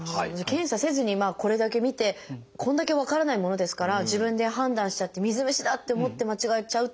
検査せずにこれだけ見てこれだけ分からないものですから自分で判断しちゃって水虫だって思って間違えちゃうと大変ですね。